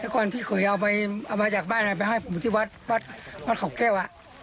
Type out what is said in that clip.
แต่ก่อนพี่ขอเอามาจากบ้านไปให้ผมที่วัดขาวแก้ว